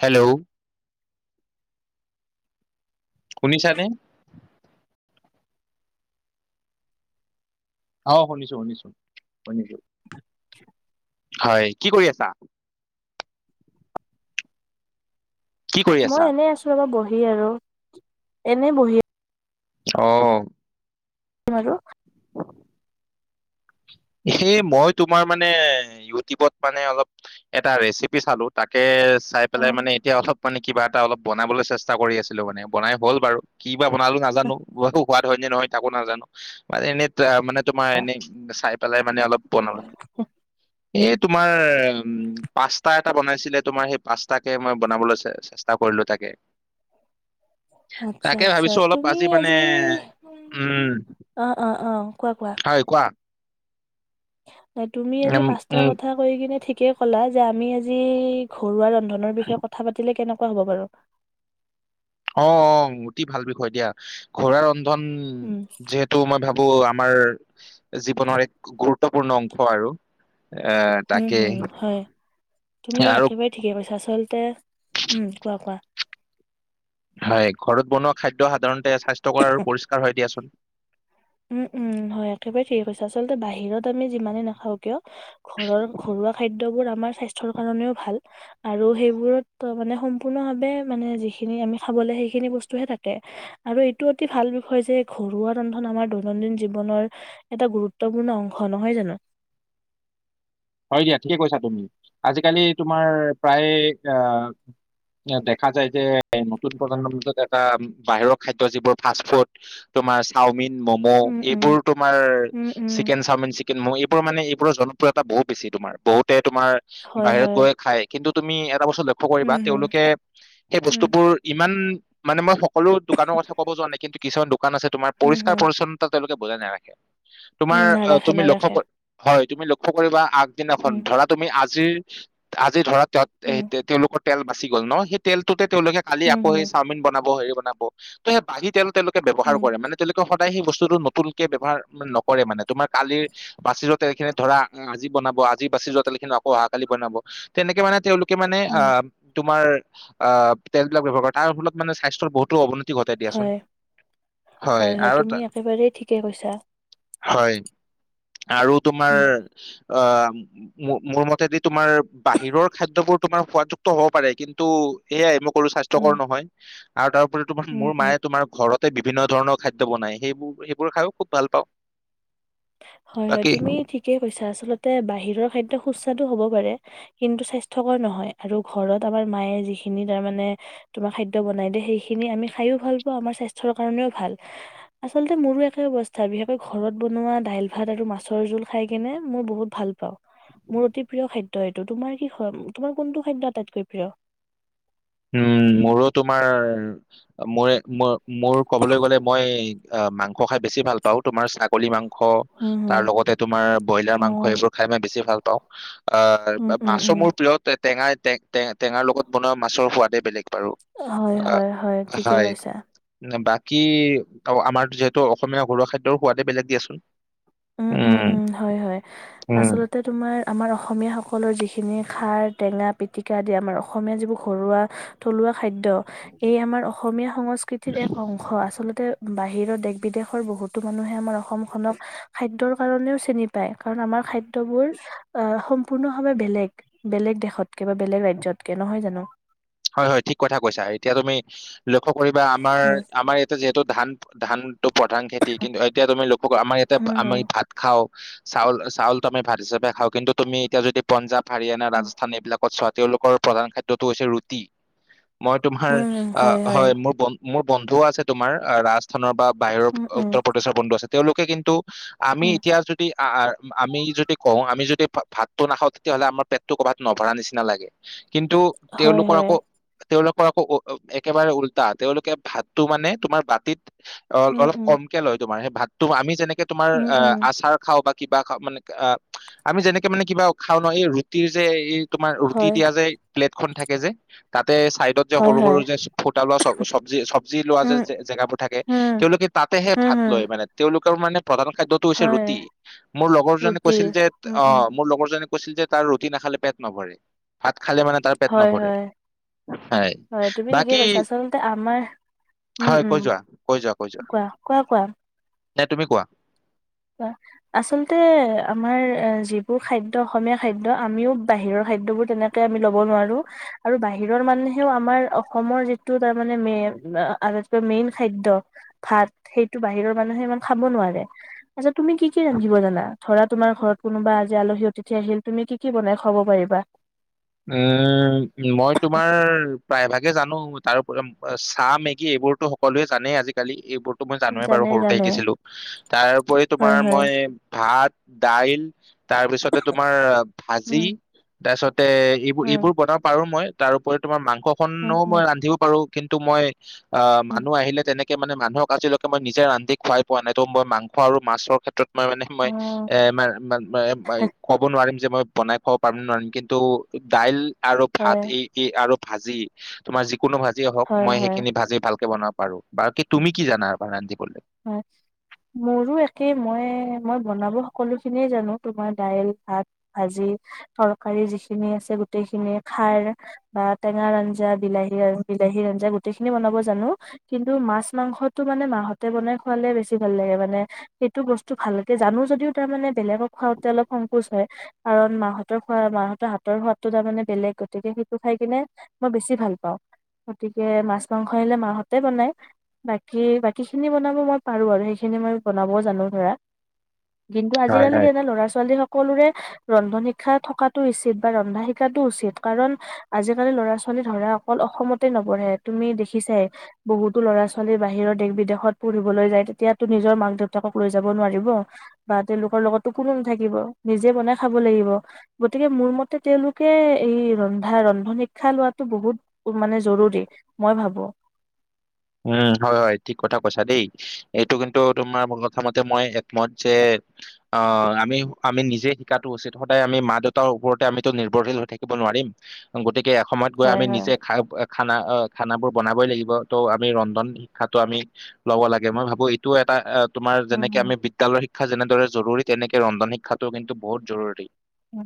Hello শনিছানে অ শুনিছো শুনিছো শুনিছো উ হয় কি কৰি আছা কি কৰি আছা মই এনেই আছো ৰব বহি হি আৰু এনেই বহি আহ াৰ স মই তোমাৰ মানে ইউটিউবত মানে অলপ এটা ৰেচিপি চালো তাকে চাই অ পেলাই মানে এতিয়া অলপ মানে কিবা এটা অলপ বনাবলৈ চেষ্টা কৰি আছিলো মানে বনাই হ'ল বাৰু কি িব বনালো নাজানো বু সোৱাদ হয় নে নহয় তাকো নাজানো মানে এনেই মানে তোমাৰ এনে চাই পেলাই মানে অলপ বন এই তোমাৰ পাস্তা এটা বনাইছিলে তোমাৰ সেই পাস্তাকে মই বনাবলৈ চেষ্টা কৰিলো তাকে আচ্ছা তাকে আচ্ছা ভাবিছো অলপ তুমি আজি মানে উম অ অ অ কোৱা কোৱা হয় কোৱা নাই তুমি উম আজি পাঁচটাৰ উম কথা কৈ কিনে ঠিক তাকে ক'লা যে আমি আজি ঘৰুৱা ৰন্ধ ধনৰ বিষয়ে কথা পাতিলে কেনে কোৱা হ'ব বাৰু অ অ অতি ভাল বিষয় দিয়া ঘৰুৱা ৰন ধন উম যিহেতু মই ভাবো আমাৰ জীৱনৰ এক গুৰুত্ব ত্বপূৰ্ণ অংশ আৰু এ উম তাকে হুম হয় তুমি আৰু একেবাৰে ঠিকে কৈছা আচলতে উম কোৱা কোৱা হয় ঘৰত বনোৱা খাদ্য সাধাৰণ তে স্বাস্থ্যকৰ আৰু পৰিষ্কাৰ হয় দিয়াচোন উম উম হয় একেবাৰে ঠিকেছে আচলতে বাহিৰত আমি যিমানে নাখাও কিয় ঘৰৰ ঘৰুৱা খাদ্যবোৰ আ মাৰ স্বাস্থ্যৰ কাৰণেও ভাল আৰু সেইবোৰ ত মানে সম্পূৰ্ণভাৱে মানে যিখিনি আমি খাব লাগে সেইখিনি বস্তুহে থাকে আৰু এইটো অতি ভাল হয় যে ঘৰুৱা ৰন্ধন আমাৰ দৈনন্দিন জীৱনৰ এটা গুৰুত্বপূৰ্ণ অংশ নহয় জানো হয় দিয়া ঠিকে কৈছা তুমি আজিকালি তোমাৰ প্ৰায় অহ দেখা যায় যে নতুন প্ৰজন্মৰ মনত এটা বাহিৰৰ খাদ্য যিবোৰ ফাষ্ট ফুড তোমাৰ চাওমিন মম' উম, উম, এইবোৰ তোমাৰ উম, উম, চিকেন চাওমিন চ কিন্তু মোৰ এইবোৰ মানে এইবোৰৰ জনপ্ৰিয়তা বহুত বেছি তোমাৰ বহুতে তোমাৰ হয়, বাহিৰত হয়, গৈ খাই কিন্তু তুমি এটা বস্তু লক্ষ্য কৰিবা উম, হুম, তেওঁলোকে সেই উম, বস্তুবোৰ ইমান মানে মই স সকলো দোকানৰ কথা ক'ব যোৱা নেকি ত- কিছুমান দো কান আছে তোমাৰ হুম, পৰিষ্কাৰ হুম, পৰিচ্ছন্নতা তেওঁলোক তক বোলে নাৰাখে। তোমাৰ উম, অ নাৰাখে, তুমি লক্ষ্য নাৰাখে। কৰি, হয়। তুমি লক্ষ্য কৰিবা আগদিনাখন উম, ধৰা তুমি আজ আজিৰ আজি ধৰাত তাত এ উম, তে তেওঁলোকত তেল বাচি গ'ল ন সেই তেল তে তেওঁলোকে কালি হুম, আকৌ সেই হুম, চাওমিন বনাব বনাব তে বাহি তেল তেওঁলোকে ব্যৱহাৰ উম, কৰে মানে তেওঁলোকে এখন সেই বস্তুতটো নতুনকে ব্যৱহাৰ নকৰে মানে তোমাৰ কালিৰ বাচিযোৱা তেল খিনি ধৰা আজি বনাব আজি বাচিযোৱা তেল খিনি আকৌ অহাকালি বনাব তেনেকে মানে তেওঁলোক কি মানে অ উম, তোমাৰ আ তেলবিলাক ব্যৱহাৰ কৰে তাৰ ফলত মানে স্বাস্থ্যৰ বহুতো অৱনতি ঘটাই দিয়াচোন হয়, হয় হয় আৰু তুমি তা- একেবাৰে ঠিকে কৈছা। হয়। আৰু তোমাৰ উম। অ মোৰ মোৰ মতেদি তোমাৰ বাহিৰৰ খাদ্যবোৰ তোমাৰ সোৱাদযুক্ত হ'ব পাৰে কিন্তু এয়াই মোক সৰু উম, স্বাস্থ্যকৰ নহয় [unintelligible] আৰু তাত [unintelligible] উম, মোৰ উম, মায়ে তোমাৰ ঘৰত বিভিন্ন ধৰণৰ খাদ্য বনাই সেইবোৰ সেইবোৰ খাইও খুব ভাল পাওঁ। হয় হয় বাকী তুমি ঠিকে কৈছা আচলত বাহিৰৰ খাদ্য সুস্বাদু হব পাৰে কিন্তু স্বাস্থ্যকৰ নহয় আৰু ঘৰত আমাৰ মায়ে যিখিনি তাৰমানে তোমাক খাদ্য বনাই দে সেইখিনি আমি খাইও ভাল পাওঁ আমাৰ স্বাস্থ্যৰ কাৰণেও ভাল। আচলতে মোৰো একে অৱস্থা বিশেষকৈ ঘৰত বনোৱা দাইল ভাত আৰু মাছৰ জোল খাই কেনে মই বহুত ভাল পাও মোৰ অতি প্ৰিয় খাদ্য এইটো। তোমাৰ কি তোমাৰ কোনটো খাদ্য আটাইতকৈ প্ৰিয়? উম মোৰো তোমাৰ মৰে মোৰ মোৰ ক'বলৈ গ'লে মই অ মাংস খাই বেছি ভাল পাওঁ তোমাৰ ছাগলী মাং অ উম, হুম, তাৰ লগতে তোমাৰ ব্ৰইলাৰ মাংস অ', এইবোৰ খাই মই বেছি ভাল প অ উম, উম, মাছো উম, মোৰ প্ৰিয় টেঙাই টেঙাৰ লগত বন মাছৰ সোৱাদেই বেলেগ হয় হয় হয় ঠিকেই কৈছা কি আমাৰ যিহেতু অসমীয়া ঘৰুৱা খাদ্যৰ সোৱাদে বেলেগ দিয়াচোন উম উম উম হয় হয় উম, আচলতে তোমাৰ আমাৰ অসমীয়া সকলৰ যিখিনি খাৰ টেঙা পিতিকা আদি আমাৰ অসমীয়া যিবোৰ ঘৰুৱা থলুৱা খাদ্য এই আমাৰ অসমীয়া সংস্কৃতিৰ এক অংশ আচলতে বাহিৰৰ দেশ বিদেশৰ বহুতো মানুহে আমাৰ অসমখনক খাদ্যৰ কাৰণেও চিনি পায় কাৰণ আমাৰ খাদ্যবোৰ আহ সম্পূৰ্ণভাৱে বেলেগ বেলেগ দেশতকে বা বেলেগ ৰাজ্যতকে নহয় জানো হয় হয় ঠিক কথা কৈছা এতিয়া তুমি লক্ষ্য কৰিবা আমাৰ উম, আমাৰ ইয়াতে যে টো ধান ধানতটো প্ৰধান খেতি, কিন্তু এতিয়া তুমি লক্ষ্য কৰা, আমাৰ ইয়াতে হম, হম, আমি ভাত খাওঁ। চাউল চাউলটো আমি ভাত হিচাপে খাওঁ, কিন্তু তুমি এতিয়া যদি পঞ্জাব হাৰিয়ানা উম, ৰাজস্থান এইবিলাকত চোৱা। তেওঁলোকৰ প্ৰধান খাদ্যটো হৈছে ৰুটি। টি। মই তোমাৰ অ হয় মোৰ ব মোৰ বন্ধুও আছে তোমাৰ ৰাজস্থানৰ পা বাহিৰৰ উম, উম, উত্তৰ প্ৰদেশৰ বন্ধু আছে। তেওঁলোকে কিন্তু। আমি উম, এতিয়া যদি আমি যদি কওঁ আমি যদি। ভাতটো নাখাও, তেতিয়াহ'লে আমাৰ পেটটো ক'ৰবাত নভৰা নিচিনা লাগে। কিন্তু হয়, তেওঁলোক কৰ হয়, আকৌ তেওঁলোক। আকৌ একেবাৰে উল্টা তেওঁলোকে ভাতটো মানে তোমাৰ বাতিত। অ উম, অলপ উম, কমকে লয় তোমাৰ সেই ভাত তো আমি যেনেকে তোমাৰ উম, অ উম, আচাৰ খাও বা। কিবা খাও, মানে অ আমি যেনেকে মানে কিবা খাওঁ ন, এই ৰুটিৰ যে এই তোমাৰ ৰুটি হয়, দিয়া যায় প্লেট খন থাকে যে। তাত। তে চাইডত যে হয়, সৰু সৰু হয়, যে ফুটা লোৱা, চবজি চবজি লোৱা যে উম, জে জেগাবোৰ থাকে। উম, তেওঁলোকে তাতেহে উম, ভাত উম। লয় মানে। তেওঁলোক মানে প্ৰধান খাদ্যটো হৈছে হয় ৰুটি। মোৰ লগৰ জনে ৰুটি কৈছিল যে, উম উম অ', মোৰ লগৰ জনে কৈছিল যে তাৰ ৰুটি নাখালে পেট নভৰে। ভা খালে মানে তাৰ পেট হয় নভৰে। হয় হয়। তুমি ঠিকেই বাকী কৈছা আচলতে আমাৰ। উম', হয় কৈ উম', যোৱা কোৱা। কোৱা, কোৱা। এ', তুমি কোৱা। আচলতে আমাৰ যিবোৰ খাদ্য, অসমীয়া খাদ্য, আমিও বাহিৰৰ খাদ্যবোৰ তেনেকে আমি ল'ব নোৱাৰো। আৰু বাহিৰৰ মানুহেও আমাৰ অসমৰ যিটো তাৰমানে মেইন আটাইতকৈ মেইন খাদ্য ভাত, সেইটো বাহিৰৰ মানুহে ইমান খাব নোৱাৰে। আচ্ছা, তুমি কি কি ৰান্ধিব জানা? ধৰা তোমাৰ ঘৰত কোনোবা আজি আলহী-অতিথি আহিল। তুমি কি কি বনাই খুৱাব পাৰিবা? উম', মই তোমাৰ প্ৰায়ভাগে জানোঁ। তাৰোপৰি চাহ, মেগী এইবোৰতো সকলোৱে জানেই আজিকালি। এইবোৰ মই জানোৱে বাৰু জানে সৰুতে জানে শিকিছিলোঁ। তাৰোপৰি হয় তোমাৰ হয় মই ভাত, দাইল, তাৰ পিছতে তোমাৰ ভাজি। উম তাৰপিছত তে এইবোৰ উম এইবোৰ বনাব পাৰো মই। তাৰ উপৰি তোমাৰ মাং উম, সখনো উম, মই ৰান্ধিব পাৰো। কিন্তু মই অ', উম, মানুহ আহিলে তেনে মানে মানুহক আজিলৈকে মই নিজে ৰান্ধি খুৱাই পোৱা নাই। ত', মই মাংস আৰু মাছৰ ক্ষেত্ৰত মই মানে মই অ', এ মা মা মা ক'ব নোৱাৰিম। যে মই বনাই খাব পাৰিম নে নোৱাৰিম। ন্তু দাইল, আৰু ভাত। হয়, এই এই আৰু ভাজি। তোমাৰ যি কোনো ভাজিয়ে হওঁক, হয়, মই হয়, সেইখিনি ভাজি ভাল বনাব পাৰোঁ। বাকী তুমি কি জানা বা ৰান্ধি হয়। মোৰো একে। মই মই বনাব সকলোখিনিয়ে জানোঁ। তোমাৰ দাইল, ভাত, ভাজি, তৰকাৰী যিখিনি আছে গোতেইখিনি। খাৰ বা টেঙাৰ আঞ্জা, বিলাহী আৰু বিলাহীৰ আঞ্জা গোটেইখিনি বনাব জানো। কিন্তু মাছ, মাংসটো মানে মাহঁত হাতেৰে বনাই খোৱালে বেছি ভাল লাগে মানে। সেইটো বস্তু ভাল লাগে। জানো যদিও তাৰ মানে বেলেগক খোৱাওঁতে অলপ সংকোচ হয়। কাৰণ মাহঁতৰ খোৱা মাহঁতৰ হাতৰ সোৱাদটো তাৰ মানে বেলেগ। গতিকে সেইটো খাই কিনে মই বেছি ভাল পাওঁ। গতিকে মাছ, মাংস আহিলে মাহঁতে বনায়। বাকী বা কীখিনি বনাব মই পাৰোঁ আৰু সেইখিনি মই বনাবও জানো ধৰা। কিন্তু হয় আজিকালি হয় কি হৈ যায় ল'ৰা-ছোৱালী সকলোৰে ৰন্ধন শিক্ষা থকাটো উচিত। বা ৰন্ধা শিকাটো উচিত। কাৰণ আজিকালি ল'ৰা-ছোৱালী ধৰা অকল অসমতে নপঢ়ে। তুমি দেখিছাই বহুতো ল'ৰা-ছোৱালী বাহিৰত দেশ-বিদ দেশত পঢ়িবলৈ যায় তেতিয়াতো নিজৰ মাক দেউতাকক লৈ যাব নোৱাৰিব বা তেওঁলোকৰ লগতো কোনো নাথাকিব নিজে বনাই খাব লাগিব গতিকে মোৰ মতে তেওঁলোকে এই ৰন্ধা ৰন্ধন শিক্ষা লোৱাটো বহুত মানে জৰুৰী মই ভাবো উম হয় হয় ঠিক কথা কৈছা দেই এইটো কিন্তু তোমাৰ কথা মতে মই একমত যে আহ আমি আমি নিজে শিকাটো উচিত সদায় আমি মা দেউতাৰ ওপৰতে আমিতো নিৰ্ভৰশীল হৈ থাকিব নোৱাৰিম গতিকে এসময়ত গৈ হয় আমি হয় নিজে খা খানা খানা বোৰ বনাবই লাগিব ত' আমি ৰন্ধন শিক্ষাটো আমি ল'ব লাগে মই ভাবো এইটোও এটা তোমাৰ উম যেনেক আমি বি্যালয় শিক্ষ শিক্ষা যেনেদৰে জৰুৰী তেনেকে ৰন্ধন শিক্ষাটো কিন্তু বহুত জৰুৰী উম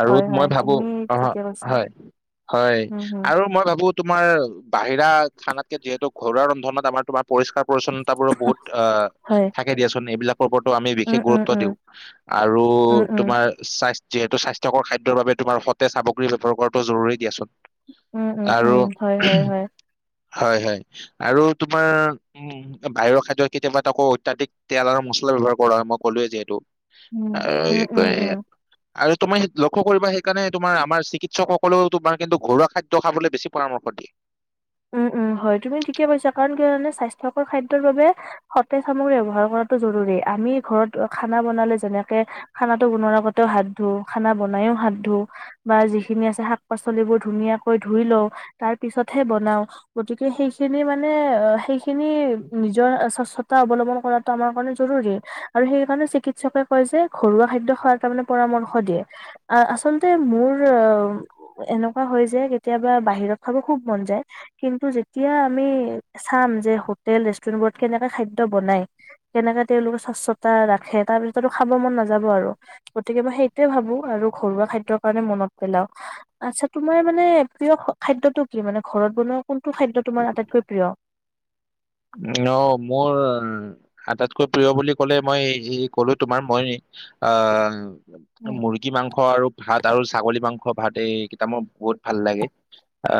আৰু হয় মই হয় ভাবো তুমি অ ঠিকে কৈছা হয় হয় উম হম আৰু মই ভাবো তোমাৰ বাহিৰা খানাত যিহেত ঘৰুৱান্ধন আমাৰো পৰিষ্কাৰ পৰিচ্ছন্নতা বোৰো বহুত অ হয় থাকে দিয়াচোন এইবিলাক ওপৰতটো আমি উম বিশেষ উম গুৰুত্ব উম দিওঁ আৰু উম উম তোমাৰ স্বাস্থ্য যিহেতু স্বাস্থ্যকৰ খাদ্যৰ বাবে তোমাৰ সতোজগ্ৰী ব্যৱহাৰ কৰাটো জৰুৰী দিয়াচোন উম উম আৰু উম হয় হয় হয় হয় হয় আৰু তোমাৰ উ বাহিৰৰ খাদ্য কেতিয়াবাত আকৌ অত্যাধিক তেল আৰু মছলা ব্যৱ্হাৰ কৰা হয় মই ক'লোৱৱে যিহেতু উম উম আৰু উম উম [unintelligible] আৰু তুমি লক্ষ্য কৰিবা এক কাৰণে তোমাৰ আমাৰ চিকিৎসক সকলোৱও তোমাৰ কিন্তু ঘৰুৱা খাদ্য খাবলৈ বেছি পৰামৰ্শ দিয়ে উম উম হয় তুমি ঠিকে কৈছা কাৰণ কি স্বাস্থ্যকৰ খাদ্যৰ বাবে সতেজ সামগ্ৰী ব্যৱ্হাৰ কৰাটো জৰুৰী আমি ঘৰত খানা বনালে যেনেকে খানাটো বুনোৱাৰ আগতেও হাত ধু খানা বনাইও হাত ধো বা যিখিনি আছে শাক পাচলিবোৰ ধুনীয়াকৈ ধুই লও তাৰ পিছতহে বনাও বনোৱা গতিকে সেইখিনি মানে সেইখিনি নিজৰ স্বচ্ছতা অৱলম্বন কৰাটো আমাৰ কাৰণে জৰুৰী আৰু সেই কাৰণে চিকিৎসকে কয় যে ঘৰুৱা খাদ্য খোৱাৰ তাৰমানে পৰামৰ্শ দিয়ে আহ আচলতে মোৰ এনেকুৱা হয় যে কেতিয়াবা বাহিৰত খাব খুব মন যায় কিন্তু যেতিয়া আমি চাম যে হোটেল ৰেষ্টুৰেন্ট বোৰত কেনেকে খাদ্য বনাই কেনেকে তেওঁলোকে স্বচ্ছতা ৰাখে তাৰপিছ খাব মন নাযাব আৰু গতিকে মই সেইটোয়ে ভাবো আৰু ঘৰুৱা খাদ্যৰ কাৰণে মনত পেলাও আচ্ছা তোমাৰ মানে প্ৰিয় খাদ্যটো কি মানে ঘৰত বনোৱা কোনটো খাদ্য তোমাৰ আটাইতকৈ প্ৰিয় অ মোৰ আটাইতকৈ প্ৰিয় বুলি ক'লে মই ক'লো তোমাৰ মই আহ উম মুৰ্গী মাংস আৰু ভাত আৰু ছাগলী মাংস ভাত এইকেইটা মোৰ বহুত ভাল লাগে অ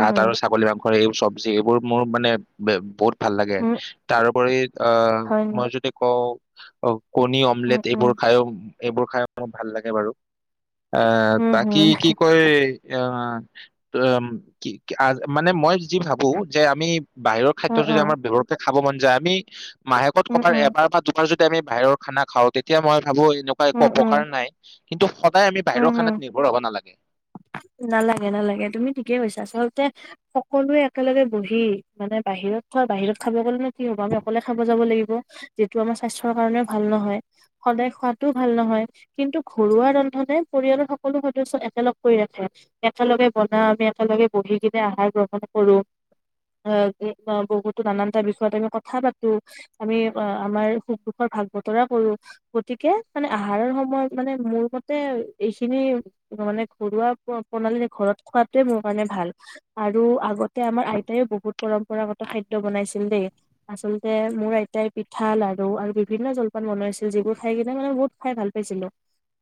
ভাত আৰু ছাগলী মাংস এইবোৰ চব্জি এইবোৰ মোৰ মানে বহুত ভাল লাগে উম তাৰোপৰি আহ হয় নি মই যদি কওঁ অ কণী উম অমলেট উম এইবোৰ খায়ও এইবোৰ খাই মোৰ ভাল লাগে বাৰু আহ উম তাকি হুম কি কৰে অ ত কি মানে মই যি ভাবো যে আমি বাহ অ খাদ্য অ যদি আমাৰ দেহতে খাব মন যায় আমি মাহেকত উম ক'ৰবাত উম এবাৰ বা দুবাৰ যদি।। যেতিয়া আমি বাহিৰৰ খানা খাওঁ তেতিয়া মই।। খাব এনেকুৱা একো উম উম অপকাৰ নাই। কিন্তু সদ। উম হম নালাগে নালাগে তুমি ঠিকেই কৈছা। আচলতে।। সকলোৱে একেলগে বহি মানে বাহিৰত খোৱা বাহিৰত খাব গলে নে কি হ'ব। আমি অকলে খাব যাব লাগিব। যিটো আমাৰ স্বাস্থ্যৰ কাৰণেও ভাল নহয়। সদায় খোৱাতটোও ভাল নহয়। কিন্তু ঘৰুৱা ৰন্ধা।। সিহঁতেপৰিয়ালৰ সকলো সদস্য একেলগ কৰি ৰাখে। একেলগে বনা আমি একেলগে বহি কিনে আহাৰ গ্ৰহণ কৰো। আহ বহুতো নানানটা বিষয়ত আমি কথা পাতো। আমি আমাৰ সুখ দুখৰ ভাগ বতৰা কৰো। গতিকে মানে আহাৰৰ সময়ত মানে মোৰ মতে।। তে এইখিনি মানে ঘৰুৱা প্ৰণালীৰে ঘৰত খোৱাতোৱে মোৰ কাৰণে ভাল। আৰু আগতে আমাৰ আইতায়ও বহুত পৰম্পৰাগত খাদ্য বনাইছিল দেই। আচলতে মোৰ আইতাই পিঠা, লাৰু আৰু বিভিন্ন জলপান বনাইছিল। যিবোৰ খাই কিনে মানে বহুত খাই ভাল পাইছিলো।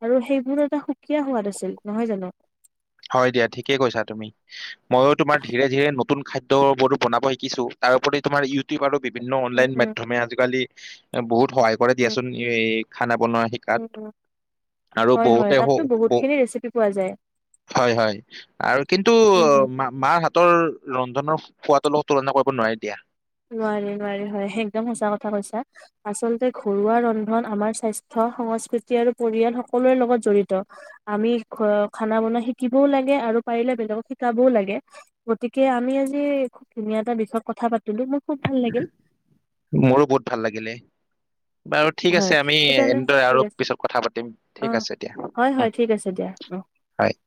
আৰু সেইবোৰ এটা সুকীয়া সোৱাদ আছিল। নহয় জানো? হয় দিয়া ঠিকেই কৈছা তুমি। ময়ো তোমাৰ ধীৰে ধীৰে নতুন খাদ্যবোৰো বনাব শিকিছোঁ। তাৰওপৰি তোমাৰ ইউটিউব আৰু।। বিভিন্ন উম অনলাইন উম মাধ্যমে আজিকালি বহুত সহায় কৰে উম দিয়াচোন। এ আৰু হয় হয় তাতো বহুতে বহুতখিনি ৰেচিপি পোৱা যায়। হয় হয় আৰু কিন্তু উম হম মা মাৰ হাতৰ ৰন্ধ।। সোৱাদৰ লগত তুলনা কৰিব নোৱাৰি দিয়া। নোৱাৰি নোৱাৰি হয় একদম সঁচা কথা কৈছা। আচলতে ঘৰুৱা ৰন্ধন আমাৰ স্বাস্থ্য, সংস্কৃতি আৰু পৰিয়াল সকলোৰে লগত জড়িত। আমি খানা বনোৱা শিকিবও লাগে আৰু পাৰিলে বেলেগক শিকাবও লাগে। গতিকে আমি আজি ধুনীয়া এটা বিষয়ত কথা পাতি।। কিন্তু মোক।। মোৰো বহুত ভাল লাগিলে। বাৰু ঠিক হয়। আছে আমি তেতিয়াহ'লে এনেদৰে ঠিক আৰু আছে পিছত কথা পাতিম অ ঠিক আছে দিয়া হয় হয় ঠিক আছে দিয়া অ। হয়।